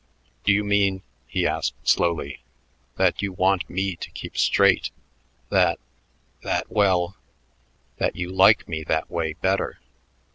"Do you mean," he asked slowly, "that you want me to keep straight that that, well that you like me that way better?"